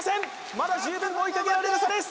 まだ十分追いかけられる差です！